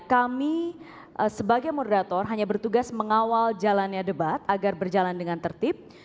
kami sebagai moderator hanya bertugas mengawal jalannya debat agar berjalan dengan tertib